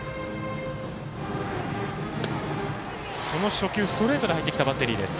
初球、ストレートで入ってきたバッテリーです。